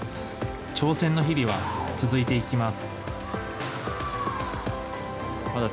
挑戦の日々は続いていきます。